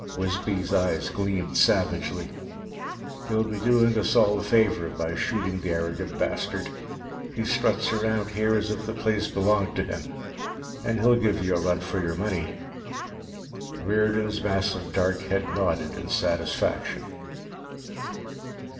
Wisby's eyes gleamed savagely. "You'll be doing us all a favor by shooting the arrogant bastard. He struts around here as if the place belonged to him. And he'll give you a run for your money." Riordan's massive dark head nodded in satisfaction.